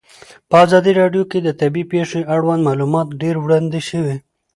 په ازادي راډیو کې د طبیعي پېښې اړوند معلومات ډېر وړاندې شوي.